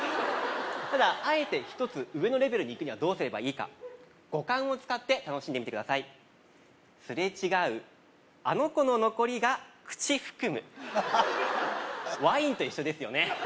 ただあえて１つ上のレベルにいくにはどうすればいいか五感を使って楽しんでみてくださいワインと一緒ですよね